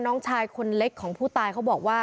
น้องชายคนเล็กของผู้ตายเขาบอกว่า